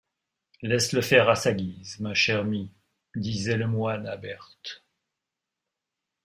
Laisse-le faire à sa guyse, ma chière mye, disoyt le moyne à Berthe.